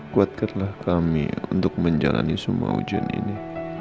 kuatkanlah kami untuk menjalani semua ujian ini